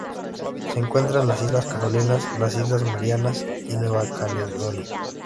Se encuentran en las Islas Carolinas, las Islas Marianas y Nueva Caledonia.